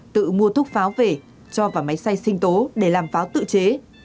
tự mua thuốc pháo về cho vào máy xay sinh tố để làm pháo tự chế